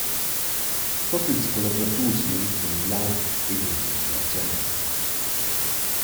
Tuot ils collavuratuors meritan ün lod ed ün ingrazchamaint.